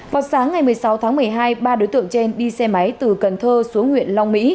vào sáng ngày một mươi sáu tháng một mươi hai ba đối tượng trên đi xe máy từ cần thơ xuống huyện long mỹ